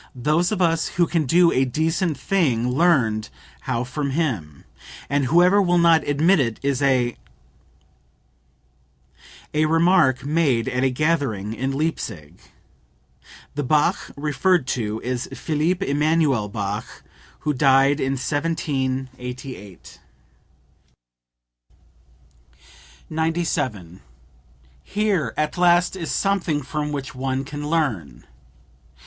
Those of us who can do a decent thing learned how from him; and whoever will not admit it is a..." (A remark made at a gathering in Leipsic. The Bach referred to is Phillip Emanuel Bach, who died in 1788.) 97. "Here, at last, is something from which one can learn!"